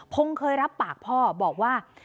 เคยรับปากพ่อบอกว่า